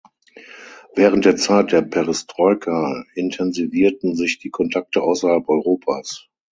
Während der Zeit der Perestroika intensivierten sich die Kontakte außerhalb Europas.